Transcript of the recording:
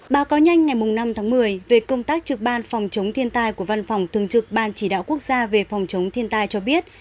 báo cáo nhanh ngày năm tháng một mươi về công tác trực ban phòng chống thiên tai của văn phòng thường trực ban chỉ đạo quốc gia về phòng chống thiên tai cho biết